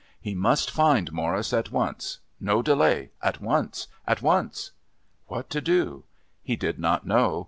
He must find Morris at once no delay at once at once. What to do? He did not know.